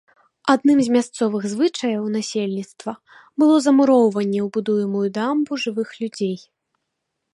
Адным з мясцовых звычаяў насельніцтва было замуроўванне ў будуемую дамбу жывых людзей.